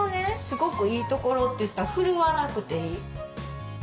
すごくいいところといったらふるわなくていい。